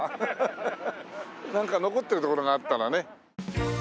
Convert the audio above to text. なんか残ってる所があったらね。